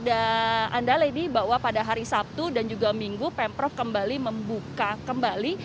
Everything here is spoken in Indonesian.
anda lady bahwa pada hari sabtu dan juga minggu pemprov kembali membuka kembali